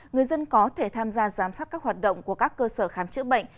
người dân có thể tham gia giám sát các hoạt động của các cơ sở khám chữa bệnh